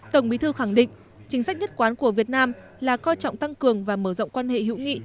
tổng bí thư khẳng định chính sách nhất quán của việt nam là coi trọng tăng cường và mở rộng quan hệ hữu nghị